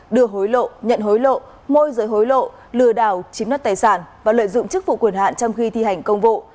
đưa hối lộ nhận hối lộ môi rơi hối lộ lừa đào chím nất tài sản và lợi dụng chức vụ quyền hạn trong khi thi hành công vụ